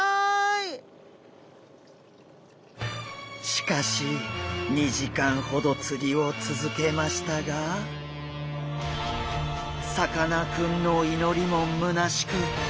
しかし２時間ほど釣りをつづけましたがさかなクンのいのりもむなしく。